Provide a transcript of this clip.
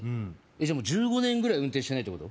じゃあもう１５年ぐらい運転してないってこと？